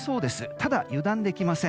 ただ、油断できません。